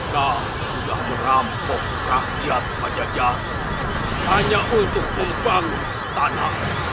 kau sudah merampok rakyat pajajara hanya untuk membangun istana